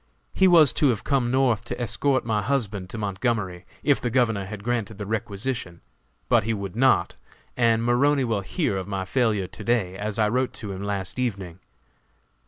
He was to have come North to escort my husband to Montgomery, if the Governor had granted the requisition; but he would not, and Maroney will hear of my failure to day, as I wrote to him last evening.